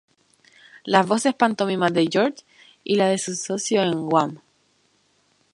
Las voces pantomimas de George y la de su socio en Wham!